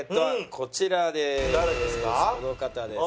この方です。